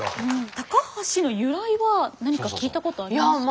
高橋の由来は何か聞いたことありますか？